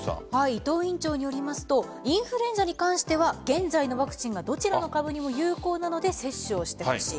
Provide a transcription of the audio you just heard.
伊藤院長によりますとインフルエンザに関しては現在のワクチンがどちらの株にも有効なので接種をしてほしい。